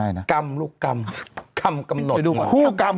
เป็นการกระตุ้นการไหลเวียนของเลือด